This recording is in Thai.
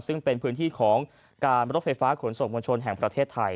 ซึ่งเป็นพื้นที่ของการรถไฟฟ้าขนส่งมวลชนแห่งประเทศไทย